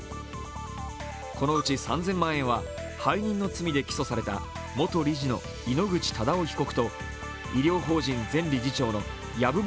このうち３０００万円は背任の罪で起訴された元理事の井ノ口忠男被告と医療法人前理事長の籔本